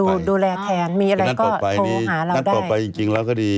ดูแลแถนมีอะไรก็โทรหาเราได้